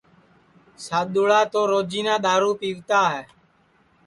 سادؔوݪا تو روجینا دؔارو پِیوتا ہے